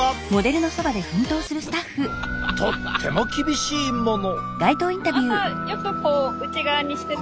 とっても厳しいもの。